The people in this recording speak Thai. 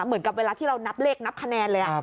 เหมือนกับเวลาที่เรานับเลขนับคะแนนเลย